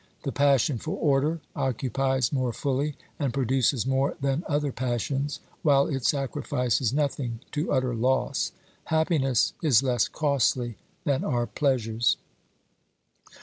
The passion for order occupies more fully and produces more than other passions, while it sacrifices nothing to utter loss. Happiness is less costly than are pleasures."